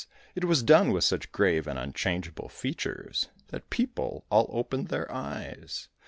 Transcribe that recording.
It was done with such grave and unchangeable features, That people all opened their eyes.